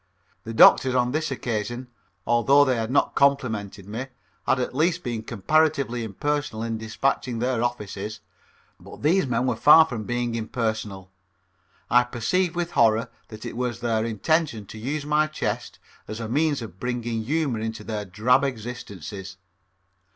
The doctors on this occasion, although they had not complimented me, had at least been comparatively impersonal in despatching their offices, but these men were far from being impersonal. I perceived with horror that it was their intention to use my chest as a means of bringing humor into their drab existences.